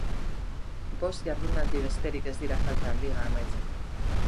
Bost jardunaldi besterik ez dira falta liga amaitzeko.